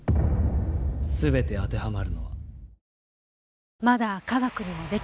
全て当てはまるのは。